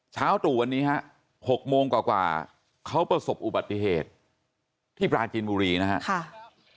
ตู่วันนี้ฮะ๖โมงกว่าเขาประสบอุบัติเหตุที่ปราจีนบุรีนะครับ